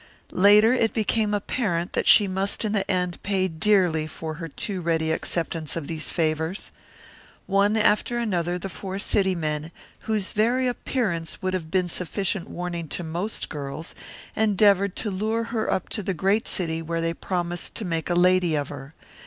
Later it became apparent that she must in the end pay dearly for her too ready acceptance of these favours. One after another the four city men, whose very appearance would have been sufficient warning to most girls, endeavoured to lure her up to the great city where they promised to make a lady of her.